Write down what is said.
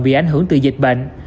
bị ảnh hưởng từ dịch bệnh